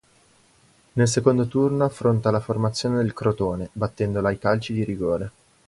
Nel secondo turno affronta la formazione del Crotone battendola ai calci di rigore.